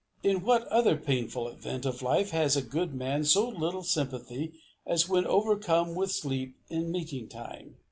In what other painful event of life has a good man so little sympathy as when overcome with sleep in meeting time?